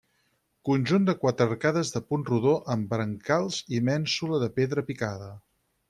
Conjunt de quatre arcades de punt rodó amb brancals i mènsula de pedra picada.